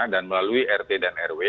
dan melalui rt dan rw